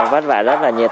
vất vả rất là nhiều